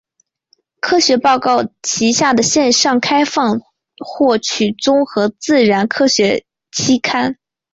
科学报告旗下的线上开放获取综合自然科学期刊。